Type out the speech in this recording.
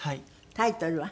タイトルは？